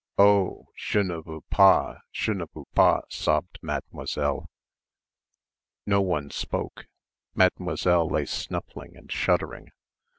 "Oh! je ne veux pas, je ne veux pas," sobbed Mademoiselle. No one spoke; Mademoiselle lay snuffling and shuddering.